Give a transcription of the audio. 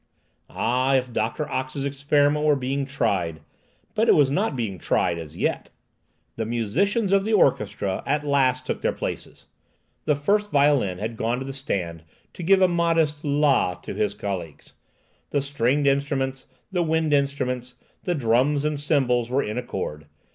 Ah, if Doctor Ox's experiment were being tried! But it was not being tried, as yet. The musicians of the orchestra at last took their places. The first violin had gone to the stand to give a modest la to his colleagues. The stringed instruments, the wind instruments, the drums and cymbals, were in accord.